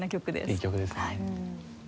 いい曲ですよね。